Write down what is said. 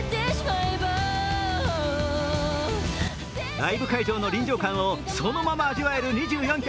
ライブ会場の臨場感をそのまま味わえる２４曲。